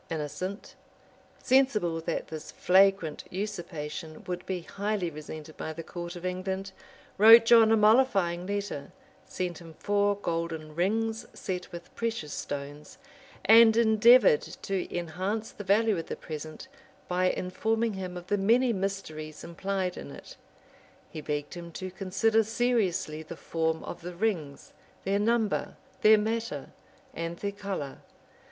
Innocent, sensible that this flagrant usurpation would be highly resented by the court of England, wrote John a mollifying letter; sent him four golden rings set with precious stones; and endeavored to enhance the value of the present, by informing him of the many mysteries implied in it. He begged him to consider seriously the form of the rings, their number, their matter, and their color.